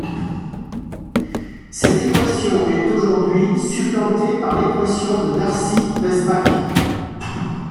Cette équation est aujourd'hui supplantée par l'équation de Darcy-Weisbach.